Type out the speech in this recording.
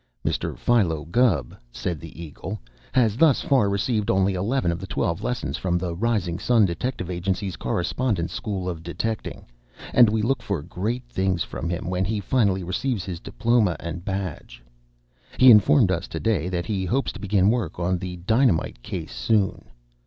"Mr. Philo Gubb," said the "Eagle," "has thus far received only eleven of the twelve lessons from the Rising Sun Detective Agency's Correspondence School of Detecting, and we look for great things from him when he finally receives his diploma and badge. He informed us to day that he hopes to begin work on the dynamite case soon.